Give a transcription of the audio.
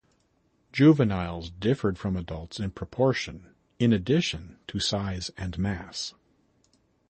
Juveniles differed from adults in proportion in addition to size and mass.